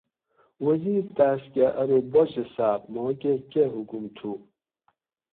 وزیر تاۤس کہ ارو باچہ صاۤب ماکہ کہۤ حکم تھُو